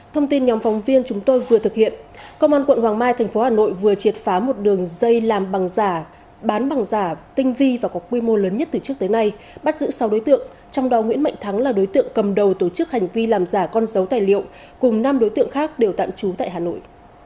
thông tin nhóm phóng viên chúng tôi vừa thực hiện công an quận hoàng mai thành phố hà nội vừa triệt phá một đường dây làm bằng giả bán bằng giả tinh vi và có quy mô lớn nhất từ trước tới nay bắt giữ sáu đối tượng trong đó nguyễn mạnh thắng là đối tượng cầm đầu tổ chức hành vi làm giả con dấu tài liệu cùng năm đối tượng khác đều tạm trú tại hà nội